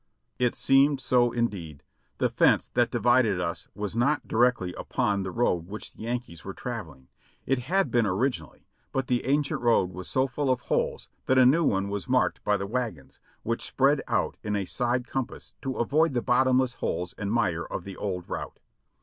It seemed so indeed. The fence that divided us was not di rectly upon the road which the Yankees were traveling; it had been originally, but the ancient road was so full of holes that a new one was marked by the wagons, which spread out in a side compass to avoid the bottomless holes and mire of the old route.